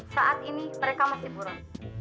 saat ini mereka masih buron